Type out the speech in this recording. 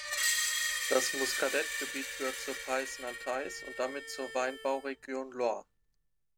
Das Muscadet-Gebiet gehört zum Pays Nantais und damit zur Weinbauregion Loire.